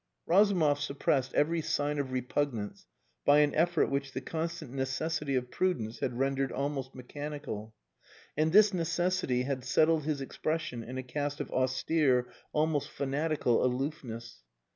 Razumov suppressed every sign of repugnance by an effort which the constant necessity of prudence had rendered almost mechanical. And this necessity had settled his expression in a cast of austere, almost fanatical, aloofness.